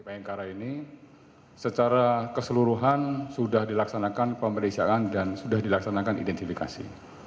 bayangkara ini secara keseluruhan sudah dilaksanakan pemeriksaan dan sudah dilaksanakan identifikasi